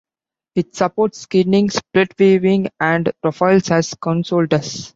It supports skinning, split viewing, and profiles, as Konsole does.